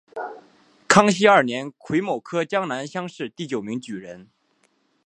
康熙二年癸卯科江南乡试第九名举人。